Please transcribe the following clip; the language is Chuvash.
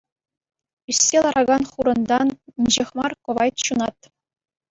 Ӳссе ларакан хурӑнтан инҫех мар кӑвайт ҫунать.